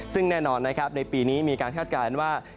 ซึ่งแน่นอนนะครับในปีนี้มีการคาดการณ์ว่า